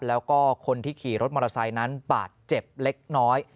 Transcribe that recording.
แล้วก็คนที่ขี่รถมอเตอร์ไซค์นั้นบาดเจ็บเล็กน้อย